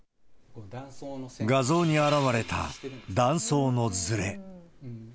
画像に表れた、断層のずれ。